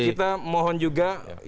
jadi kita mohon juga